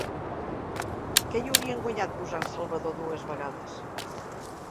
Què hi haurien guanyat posant Salvador dues vegades?